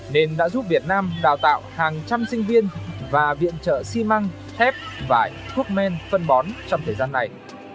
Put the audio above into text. nên đã giúp việt nam đào tạo hàng trăm sinh viên và viện trợ xi măng thép vải thuốc men phân bón trong thời gian này